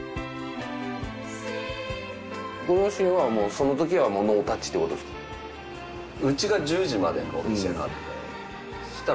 ご両親はもうそのときはもうノータッチってことですか。